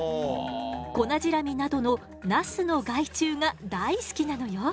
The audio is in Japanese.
コナジラミなどのナスの害虫が大好きなのよ。